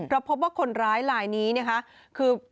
เราพบว่าคนร้ายรายนี้คือ